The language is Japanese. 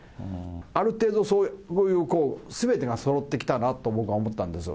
ある程度、そういうすべてがそろってきたなと僕は思ったんです。